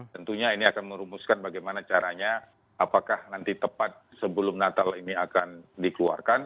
tentunya ini akan merumuskan bagaimana caranya apakah nanti tepat sebelum natal ini akan dikeluarkan